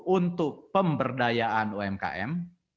untuk pemberdayaan umkm